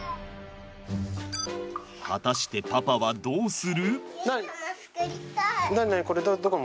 果たしてパパはどうする？